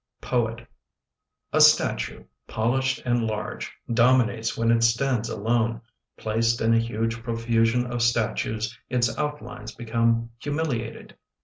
Poet A statue, polished and large, Dominates when it stands alone. Placed in a huge profusion of statues Its outlines become humiliated.